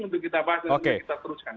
untuk kita bahas dan juga kita teruskan